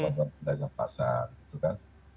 tentu ada pendagang pasar gitu kan